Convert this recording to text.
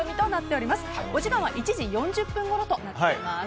お時間は１時４０分ごろとなっています。